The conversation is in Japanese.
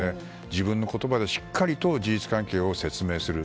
自分の言葉でしっかりと事実関係を説明する。